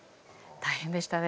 大変でしたね。